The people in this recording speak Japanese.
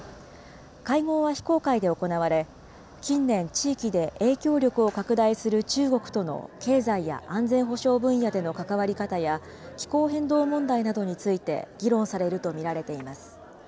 会合は非公開で行われ、近年、地域で影響力を拡大する中国との経済や安全保障分野での関わり方や、気候変動問題などについて議論されると見られています。